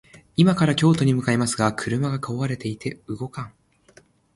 今から京都に向かいますが、車が壊れていて動かん